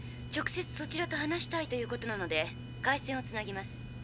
直接そちらと話したいということなので回線をつなぎます。